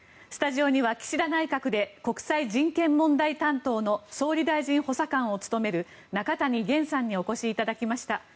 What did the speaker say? スタジオには岸田内閣で国際人権問題担当の総理大臣補佐官を務める中谷元さんにお越しいただきました。